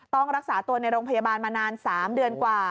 ต้องรักษาตัวในโรงพยาบาลมานาน๓เดือนกว่า